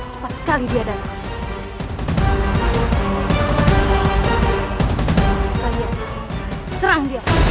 cepat sekali dia datang